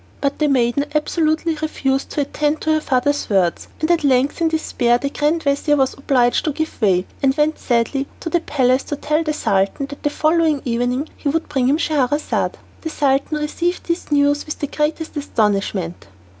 But the maiden absolutely refused to attend to her father's words, and at length, in despair, the grand vizir was obliged to give way, and went sadly to the palace to tell the Sultan that the following evening he would bring him Scheherazade. The Sultan received this news with the greatest astonishment.